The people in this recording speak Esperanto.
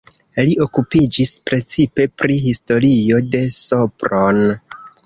Li okupiĝis precipe pri historio de Sopron.